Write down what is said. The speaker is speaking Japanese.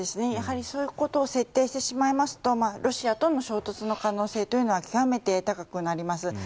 そういうことを設定してしまいますとロシアとの衝突の可能性というのは極めて高くなります。